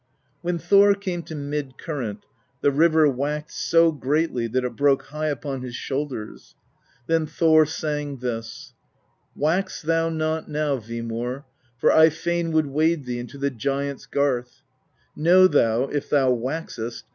When Thor came to mid current, the river waxed so greatly that it broke high upon his shoul ders. Then Thor sang this: Wax thou not now, Vimur, For I fain would wade thee Into the Giants' garth: Know thou, if thou waxest.